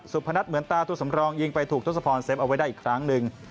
พนัทเหมือนตาตัวสำรองยิงไปถูกทศพรเซฟเอาไว้ได้อีกครั้งหนึ่ง